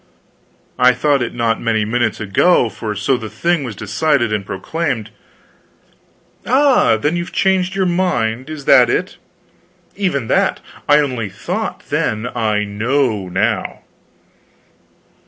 "I thought it not many minutes ago, for so the thing was decided and proclaimed." "Ah, then you've changed your mind, is that it?" "Even that. I only thought, then; I know, now."